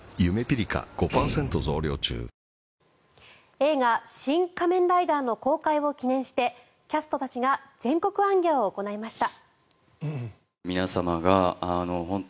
映画「シン・仮面ライダー」の公開を記念して、キャストたちが全国行脚を行いました。